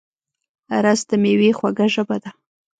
رس د مېوې خوږه ژبه ده